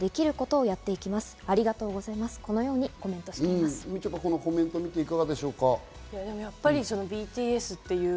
みちょぱ、このコメント見ていかがでしょうか？